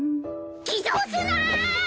偽造すな！